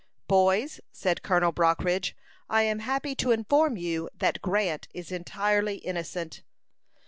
"Boys," said Colonel Brockridge, "I am happy to inform you that Grant is entirely innocent."